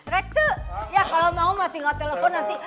rekce ya kalau mau tinggal telepon nanti